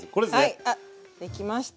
はいできました。